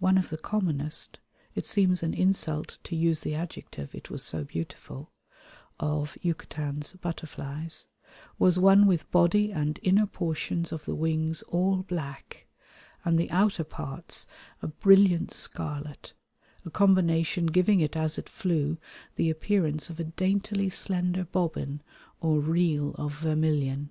One of the commonest (it seems an insult to use the adjective, it was so beautiful) of Yucatan's butterflies was one with body and inner portions of the wings all black and the outer parts a brilliant scarlet, a combination giving it as it flew the appearance of a daintily slender bobbin or reel of vermilion.